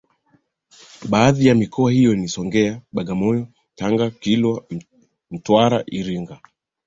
baadhi ya mikoa hio ni songea bagamoyo Tanga kilwa mtwara iringa